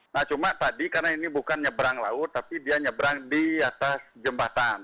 nah cuma tadi karena ini bukan nyebrang laut tapi dia nyebrang di atas jembatan